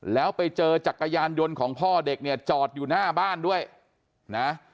แล้วไปเจอจักรยานยนต์ของพ่อเด็กเนี่ยจอดอยู่หน้าบ้านด้วยนะ